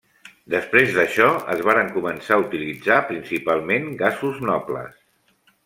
Després d'això, es varen començar a utilitzar principalment gasos nobles.